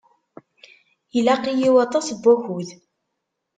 Ilaq-iyi waṭas n wakud.